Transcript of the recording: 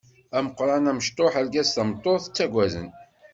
Ameqran amecṭuḥ argaz tameṭṭut ttagaden.